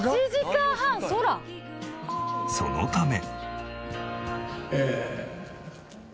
そのため。